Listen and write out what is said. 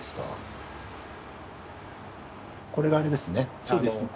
これがあれですね